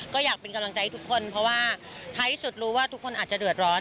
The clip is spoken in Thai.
ก็อยากเป็นกำลังใจให้ทุกคนเพราะว่าท้ายที่สุดรู้ว่าทุกคนอาจจะเดือดร้อน